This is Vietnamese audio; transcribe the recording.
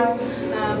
rất là hăng say